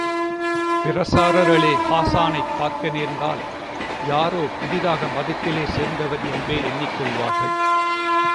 பிரசாரகர்களே ஹாஸ்ானைப் பார்க்க நேர்ந்தால் யாரோ புதிதாக மதத்திலே சேர்ந்தவர் என்றே எண்ணிக்கொள்வார்கள்.